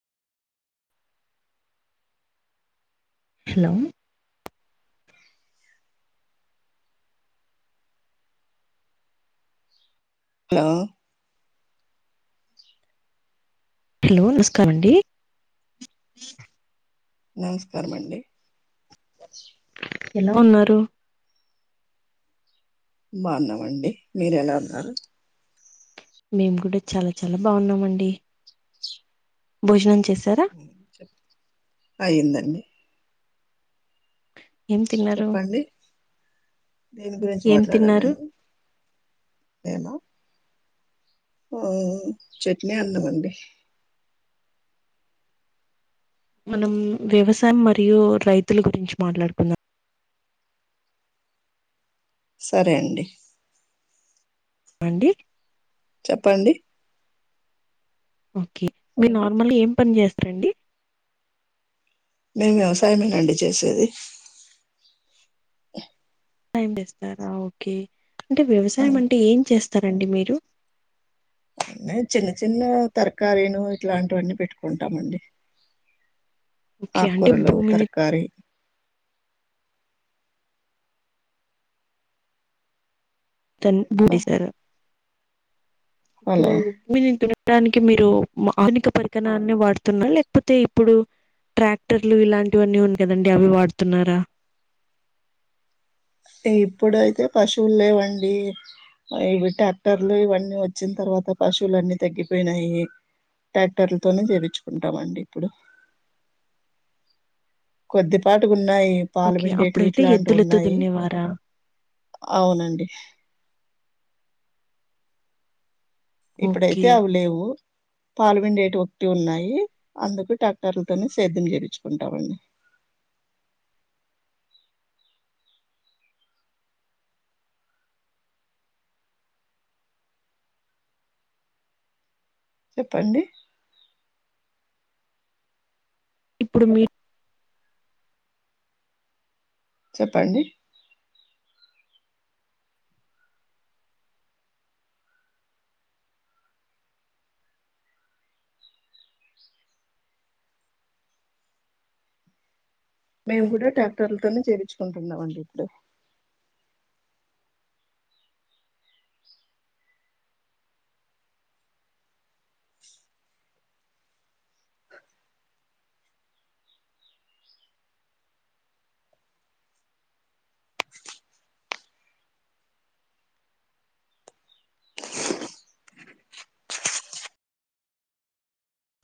Hello hello hello నమస్కారం అండి నమస్కారమండి ఎలా ఉన్నారు బాగున్నామండి మీరు ఎలా ఉన్నారు మేము కూడా చాలా చాలా బాగున్నామండి భోజనం చేసి అయ్యిందండి ఏం తిన్నారు చెప్పండి దేని గురించి ఏం తిన్నారు మాట్లాడాలండి ఏమో మ్ చట్నీ అన్నం అండి మనం వ్యవసాయం మరియు రైతుల గురించి మాట్లాడుకుందాం సరే అండి అండి చెప్పండి ఓకే మీరు నార్మల్గా ఏం పని చేస్తారండి మేము వ్యవసాయమేనండి చేసేది వ్యవసాయం చేస్తారా ఓకే అంటే ఆ, వ్యవసాయం అంటే ఏం చేస్త స్తారండి మీరు అన్న చిన్న చిన్న తరకారీను ఇట్లాంటివన్నీ పెట్టుకుంటామండి ఓకే అంటే ఆకూరలు భూమిని తరకారి తన్ ఆ, బూడి సారా ఇప్పుడు అలా భుజింతినే దానికి మీరు ఆధునిక పరికనాన్ని వాడుతున్నారు లేకపోతే ఇప్పుడు ట్రాక్టర్లు ఇలాంటివన్నీ ఉంది కదండి అవి వాడుతున్నారా ఈ ఇప్పుడైతే పశువులు లేవండి ఆ ఇవి ట్రాక్టర్లు ఇవన్నీ వచ్చిన తర్వాత పశువులు అన్ని తగ్గిపోయినాయి ట్రాక్టర్లతోనే చెప్పిచుకుంటామండి ఇప్పుడు కొద్దిపాటువున్నాయి పాలు ఓకే. పిండేటివి అప్పుడైతే ఇట్లాంటివి ఎద్దులతో ఉన్నాయి దున్నేవారా? అవునండి ఇప్పుడైతే ఓకే. అవి లేవు పాలుపిండేటివి ఒకటి ఉన్నాయి అందుకు ట్రాక్టర్లతోనే సేద్యం చెప్పిచుకుంటామండి చెప్పండి ఇప్పుడు మీ చెప్పండి మేము కూడా ట్రాక్టర్లతోనే చెప్పిచుకుంటున్నాం అండి ఇప్పుడు